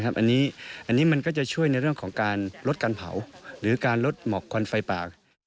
อันนี้มันก็จะช่วยในเรื่องของการลดการเผาหรือการลดหมอกควันไฟปาก